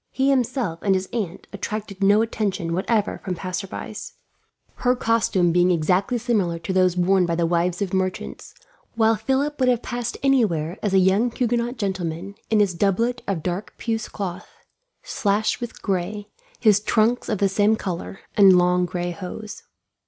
He himself and his aunt attracted no attention, whatever, from passersby; her costume being exactly similar to those worn by the wives of merchants, while Philip would have passed anywhere as a young Huguenot gentleman, in his doublet of dark puce cloth, slashed with gray, his trunks of the same colour, and long gray hose.